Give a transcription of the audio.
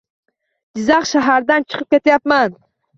Jizzax shahardan chiqib ketyapman.